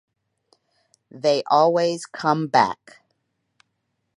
They always come back.